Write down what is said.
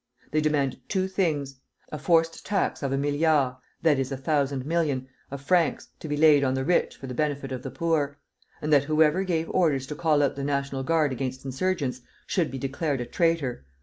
They demanded two things, a forced tax of a milliard (that is, a thousand million) of francs, to be laid on the rich for the benefit of the poor; and that whoever gave orders to call out the National Guard against insurgents should be declared a traitor.